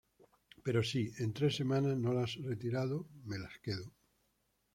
pero si, en tres semanas, no la has retirado, me las quedo.